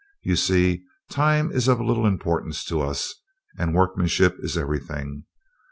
You see, time is of little importance to us, and workmanship is everything.